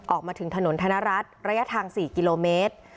ออกมาถึงถนนธนรัฐระยะทาง๔กิโลเมตร